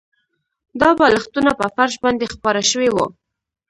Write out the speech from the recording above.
دا بالښتونه په فرش باندې خپاره شوي وو